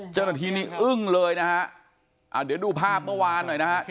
เจ้าหน้าที่นี่อึ้งเลยนะฮะอ่าเดี๋ยวดูภาพเมื่อวานหน่อยนะฮะ